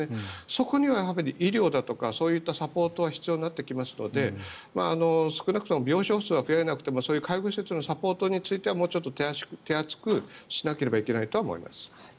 そこには医療だとかそういったサポートは必要になってきますので少なくとも病床数は増えなくてもそういう介護施設のサポートについてはもうちょっと手厚くしなければいけないと思います。